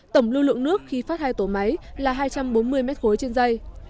tổng lưu lượng nước khi phát hai tổ máy là hai trăm bốn mươi mét khối trên dây